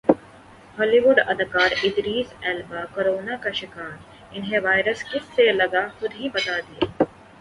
ہالی ووڈ اداکارادریس Alba corona کا شکارانہیں وائرس کس سے لگاخودہی بتادیا